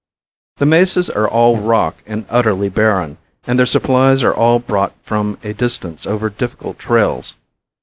The mesas are all rock and utterly barren, and their supplies are all brought from a distance over difficult trails.